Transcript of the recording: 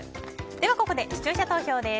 ここで視聴者投票です。